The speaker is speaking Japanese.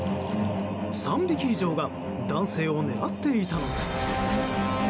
３匹以上が男性を狙っていたのです。